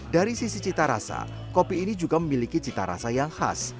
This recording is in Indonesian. dari sisi cita rasa kopi ini juga memiliki cita rasa yang khas